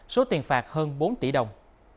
số tiền phạt hơn bốn tỷ đồng